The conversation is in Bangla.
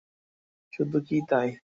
শুধু কি তাই!